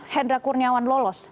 hendra kurniawan lolos